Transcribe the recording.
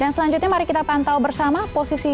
dan selanjutnya mari kita pantau bersama posisi